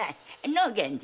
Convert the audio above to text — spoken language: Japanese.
のう源次？